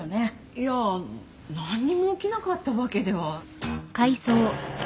いや何にも起きなかったわけでは。